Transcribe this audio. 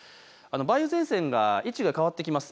梅雨前線が位置が変わってきます。